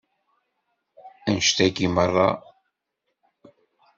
Annect-agi meṛṛa.